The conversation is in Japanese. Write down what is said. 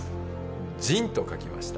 仁と書きました。